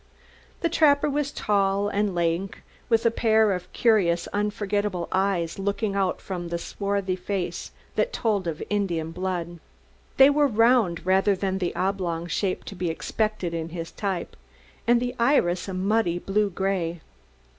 The trapper was tall and lank, with a pair of curious, unforgettable eyes looking out from a swarthy face that told of Indian blood. They were round rather than the oblong shape to be expected in his type, and the iris a muddy blue gray.